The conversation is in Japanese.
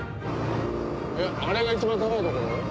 あれが一番高い所？